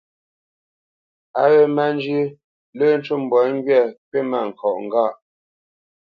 Á wé má njyə̄, lə́ ncú mbwǎ ŋgywâ kywítmâŋkɔʼ ŋgâʼ.